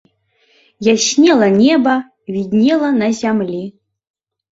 Яснела неба, віднела на зямлі.